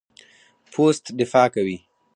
پوست دفاع کوي.